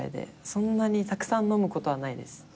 そんなにたくさん飲むことはないです。